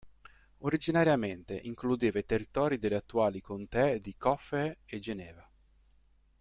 Originariamente includeva i territori delle attuali contee di Coffee e Geneva.